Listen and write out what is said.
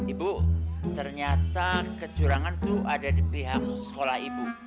ibu ternyata kecurangan itu ada di pihak sekolah ibu